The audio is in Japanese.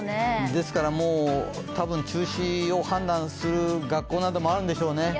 ですから、多分中止を判断する学校などもあるんでしょうね。